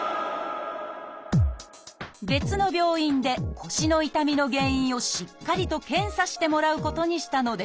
別の病院で腰の痛みの原因をしっかりと検査してもらうことにしたのです。